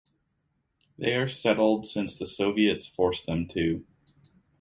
They are settled since the soviets forced them to.